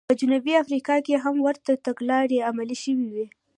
په جنوبي افریقا کې هم ورته تګلارې عملي شوې وې.